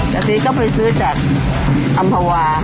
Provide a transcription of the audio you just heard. กะทิก็ไปซื้อจากอำภาวาค่ะ